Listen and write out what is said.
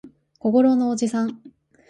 小五郎のおじさん